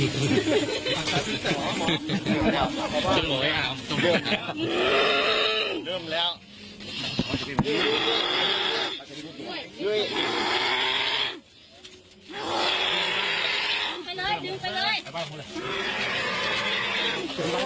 ดีไปเลยดีไปเลย